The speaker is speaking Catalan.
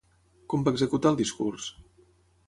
Com va executar el discurs?